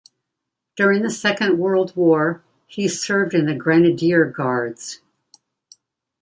During the Second World War he served in the Grenadier Guards.